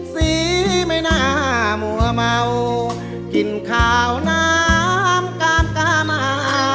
สีไม่น่ามัวเมากินขาวน้ำกามกามา